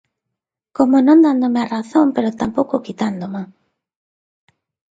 Como non dándome a razón pero tampouco quitándoma.